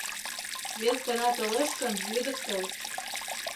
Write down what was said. Вес гана толеш гын, лӱдыктыл.